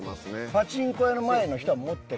パチンコ屋の前の人は持ってる。